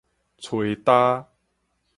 吹焦